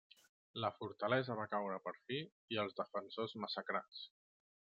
La fortalesa va caure per fi i els defensors massacrats.